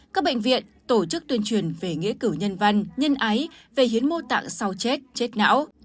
các bệnh viện tổ chức tuyên truyền về nghĩa cử nhân văn nhân ái về hiến mô tạng sau chết chết não